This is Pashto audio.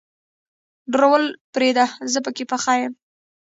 ډارول پرېده زه پکې پخه يم.